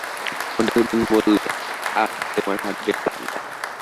মধুসূদন বললে, আঃ, তোমার হাত বেশ ঠাণ্ডা।